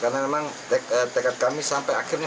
karena memang tekad kami sampai akhirnya